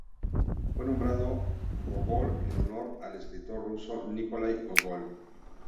Fue nombrado Gogol en honor al escritor ruso Nikolái Gógol.